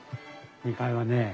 ２階はね